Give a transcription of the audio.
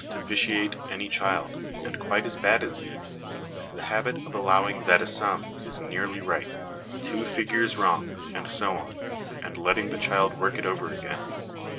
to vitiate any child; and quite as bad as these is the habit of allowing that a sum is nearly right, two figures wrong, and so on, and letting the child work it over again.